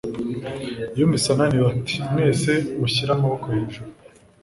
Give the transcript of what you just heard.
yumvise ananiwe, ati "mwese mushyire amaboko hejuru!"